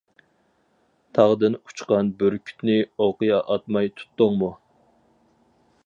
تاغدىن ئۇچقان بۈركۈتنى ئوقيا ئاتماي تۇتتۇڭمۇ.